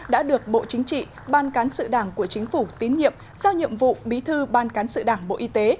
đã được bộ chính trị ban cán sự đảng của chính phủ tín nhiệm giao nhiệm vụ bí thư ban cán sự đảng bộ y tế